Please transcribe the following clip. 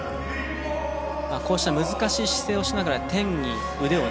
こうした難しい姿勢をしながら天に腕を伸ばす。